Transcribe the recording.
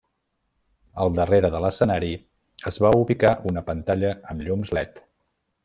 Al darrere de l'escenari, es va ubicar una pantalla amb llums led.